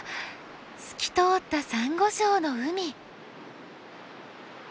透き通ったサンゴ礁の海。